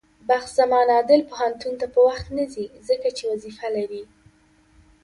بخت زمان عادل پوهنتون ته په وخت نځي، ځکه چې وظيفه لري.